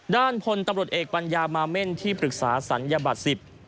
ด้านพลตำรวจเอกปัญญามาเม่นที่ปรึกษาศัลยบัตร๑๐